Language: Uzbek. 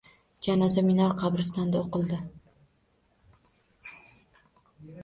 Janoza Minor qabristonida o’qildi.